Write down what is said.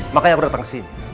makanya aku datang kesini